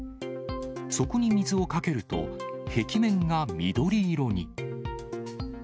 そこに水をかけると、壁面が緑色に。